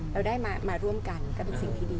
เราได้มาร่วมกันก็เป็นสิ่งที่ดี